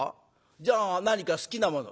じゃあ何か好きなもの。